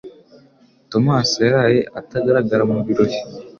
Tomasi yaraye atagaragara mu birori.